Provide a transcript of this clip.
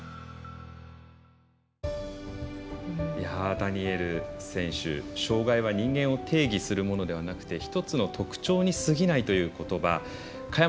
ダニエル選手障がいは人間を定義するものではなくて１つの特徴にすぎないということば。